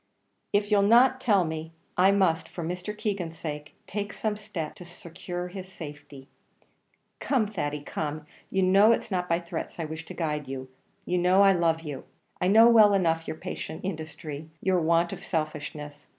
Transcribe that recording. "If you'll not tell me, I must, for Mr. Keegan's sake, take some step to secure his safety. Come, Thady, come; you know it's not by threats I wish to guide you; you know I love you. I know well enough your patient industry your want of selfishness.